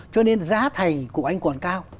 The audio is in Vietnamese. cho nên giá thành của anh còn cao